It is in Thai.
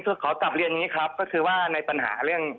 ขอกลับเรียนอย่างนี้ครับ